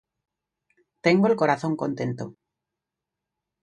Tengo el corazón contento